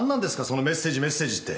そのメッセージメッセージって。